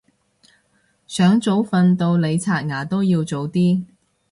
想早瞓到你刷牙都要早啲